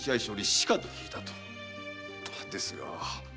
ですが。